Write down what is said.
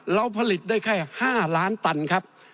เราผลิตได้แค่๕ล้านตันครับ